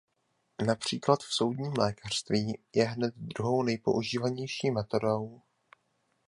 Například v soudním lékařství je hned druhou nejpoužívanější metodou.